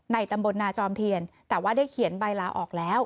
ตำบลนาจอมเทียนแต่ว่าได้เขียนใบลาออกแล้ว